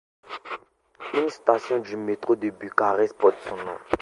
Une station du métro de Bucarest porte son nom.